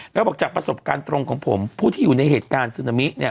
แล้วบอกจากประสบการณ์ตรงของผมผู้ที่อยู่ในเหตุการณ์ซึนามิเนี่ย